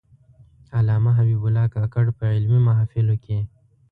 علامه حبیب الله کاکړ په علمي محافلو کې.